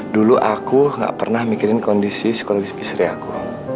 dulu aku nggak pernah mikirin kondisi psikologis psikologis aku